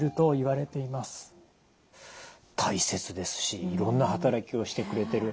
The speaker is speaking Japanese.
大切ですしいろんな働きをしてくれてる。